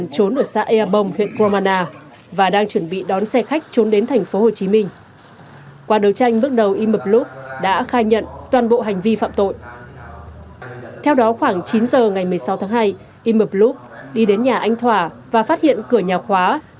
công an huyện cromana tỉnh đắk lắc nhận tin báo của anh nguyễn văn thỏa